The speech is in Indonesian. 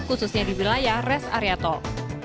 khususnya di wilayah res ariatoh